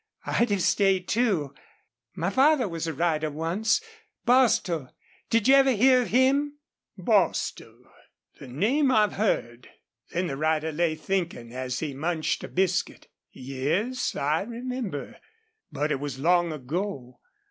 I'd have stayed, too. My father was a rider once. Bostil. Did you ever hear of him?" "Bostil. The name I've heard." Then the rider lay thinking, as he munched a biscuit. "Yes, I remember, but it was long ago.